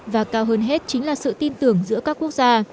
và cao hơn hết chính là sự tin tưởng giữa các quốc gia